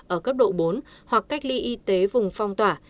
ở cấp độ bốn hoặc cách ly y tế vùng phong tỏa